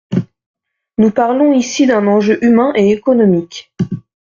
Nous parlons ici d’un enjeu humain et économique.